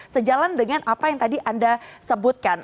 sejalan dengan apa yang tadi anda sebutkan